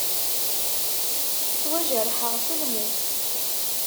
Ttwajerḥeɣ s lmus.